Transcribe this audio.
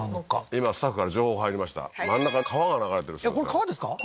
今スタッフから情報が入りましたまん中に川が流れてるえっこれ川ですか？